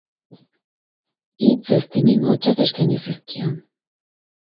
Hitz ezti-mingotsak eskaini zizkion.